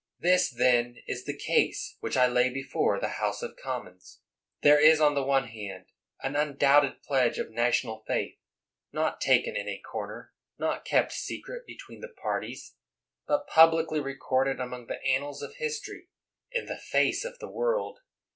This, then, is the ease which I lay before the House of Commons. Here is, on the one hand, an undoubted pledge of national faith — not taken in a corner, not kept secret between the parties, but publicly recorded among the annals of history, in the face of the world.